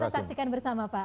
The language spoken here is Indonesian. kita saksikan bersama pak